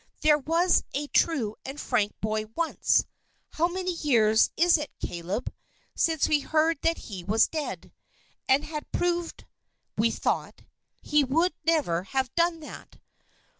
There was a true and frank boy once how many years is it, Caleb, since we heard that he was dead, and had it proved, we thought? He would never have done that!"